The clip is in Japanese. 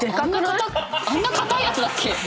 あんな硬いやつだっけ？